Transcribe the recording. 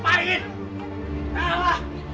malu ya sama tetangga ya sakit